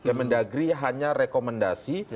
kemendagri hanya rekomendasi